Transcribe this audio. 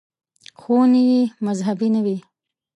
• ښوونې یې مذهبي نه وې.